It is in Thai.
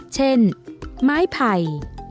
เช่นไม้ไผ่